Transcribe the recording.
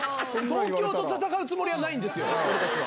東京と戦うつもりはないんですよ。